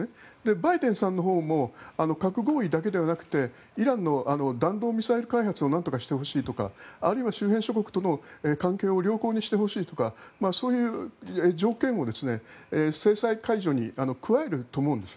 バイデンさんのほうも核合意だけではなくてイランの弾道ミサイル開発をなんとかしてほしいとかあるいは周辺諸国との関係を良好にしてほしいとかそういう条件を制裁解除に加えると思うんです。